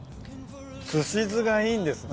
すし酢がいいんですね。